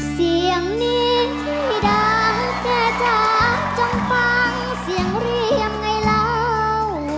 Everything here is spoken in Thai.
เสียงนี้ที่ดังแค่จ้างจงฟังเสียงเรียมไอ้เหล่า